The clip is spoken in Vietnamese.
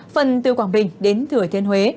phần từ quảng bình đến thừa thiên huế